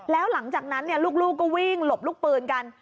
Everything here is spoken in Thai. แล้วหลังจากนั้นลูกก็วิ่งหลบลูกปืนกัน